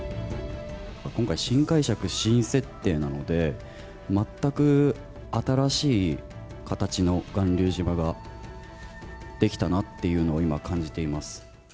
今回、新解釈、新設定なので、全く新しい形の巌流島ができたなっていうのを今、感じています。